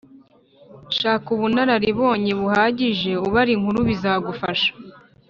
shaka ubunararibonye buhagije ubara inkuru bizagufasha